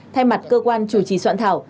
thay mặt cơ quan chủ trì soạn thảo